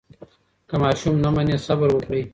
که ماشوم نه مني، صبر وکړئ.